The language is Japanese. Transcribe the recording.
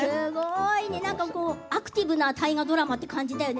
アクティブな大河ドラマという感じだよね。